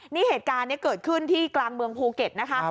นี่เหตุการณ์นี้เกิดขึ้นที่กลางเมืองภูเก็ตนะคะ